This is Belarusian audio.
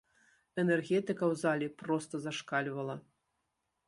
Энергетыка ў залі проста зашкальвала.